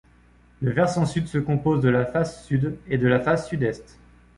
Le versant sud se compose de la face sud et de la face sud-est.